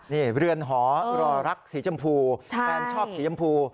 นี่เรือนหอรอรักสีชมพูแฟนชอบสีชมพู